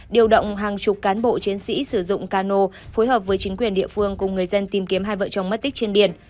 điều động hàng chục cán bộ chiến sĩ sử dụng cano phối hợp với chính quyền địa phương cùng người dân tìm kiếm hai vợ chồng mất tích trên biển